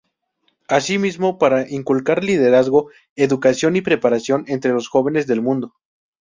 Asimismo, para inculcar liderazgo, educación y preparación, entre los jóvenes del mundo.